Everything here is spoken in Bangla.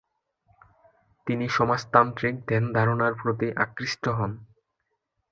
তিনি সমাজতান্ত্রিক ধ্যান-ধারণার প্রতি আকৃষ্ট হন।